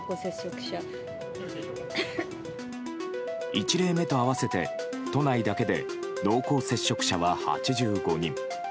１例目と合わせて、都内だけで濃厚接触者は８５人。